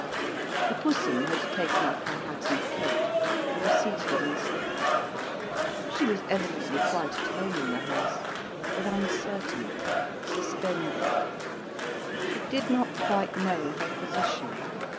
The Pussum had taken off her hat and coat, and was seated on the sofa. She was evidently quite at home in the house, but uncertain, suspended. She did not quite know her position.